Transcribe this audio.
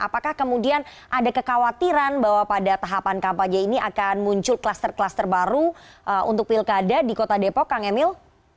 apakah kemudian ada kekhawatiran bahwa pada tahapan kampanye ini akan muncul kluster kluster baru untuk pilkada di kota depok kang emil